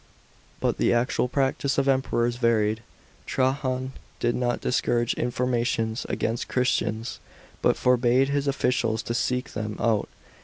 But the actual practice of Emperors varied. Trajan did not discourage informa tions against Christians; but forbade his officials to seek them out.